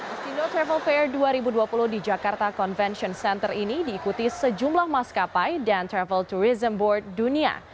astino travel fair dua ribu dua puluh di jakarta convention center ini diikuti sejumlah maskapai dan travel tourism board dunia